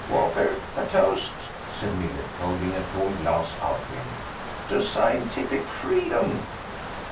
"Walker, a toast," said Millet, holding a tall glass out to him. "To scientific freedom."